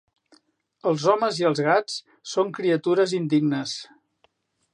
Els homes i els gats són criatures indignes.